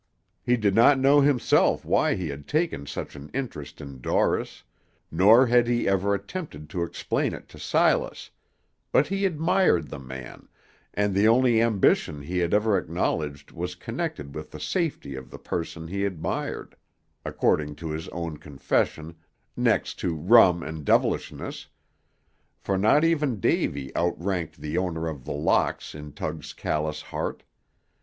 He did not know himself why he had taken such an interest in Dorris, nor had he ever attempted to explain it to Silas, but he admired the man, and the only ambition he had ever acknowledged was connected with the safety of the person he admired, according to his own confession, next to Rum and Devilishness, for not even Davy out ranked the owner of The Locks in Tug's callous heart.